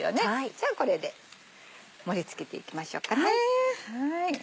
じゃあこれで盛り付けていきましょうかね。